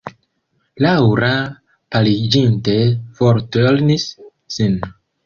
Laŭra, paliĝinte, forturnis sin.